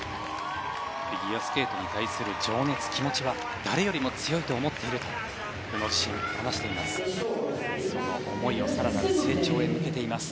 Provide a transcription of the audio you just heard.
フィギュアスケートに対する情熱、気持ちは誰よりも強いと思っていると宇野自身、話しています。